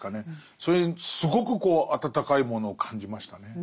それにすごく温かいものを感じましたね。